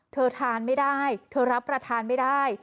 เธอทานไม่ได้เธอรับประทานไม่ได้